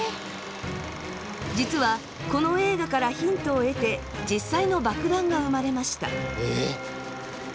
実はこの映画からヒントを得て実際の爆弾が生まれました。